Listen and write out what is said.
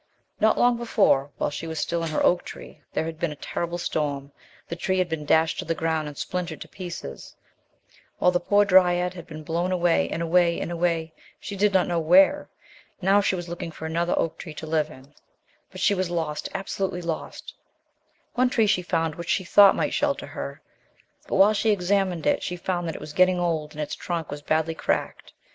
Not long before, while she was still in her oak tree, there had been a terrible storm ; the tree had been dashed to the ground and splintered to pieces, while the poor dryad had been blown away, and away, and away, she did not know where. Now she was looking for another oak tree to live in, but she THE LOST DRYAD was lost, absolutely lost. One tree she found, which she thought might shelter her, but when she examined it she found that it was getting old and its trunk was badly cracked.